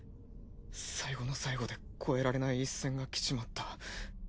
最後の最後で越えられない一線が来ちまった。